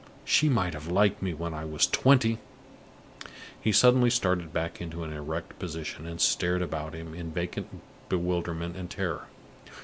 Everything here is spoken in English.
"She might have liked me when I was twenty!" He suddenly started back into an erect position, and stared about him in vacant bewilderment and terror.